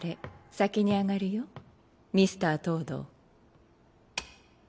先に上がるよミスター東堂。